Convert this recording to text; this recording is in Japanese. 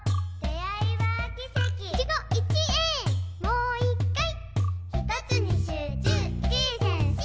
「もう一回」